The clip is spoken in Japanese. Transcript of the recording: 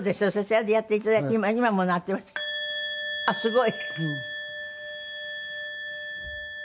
あっすごい。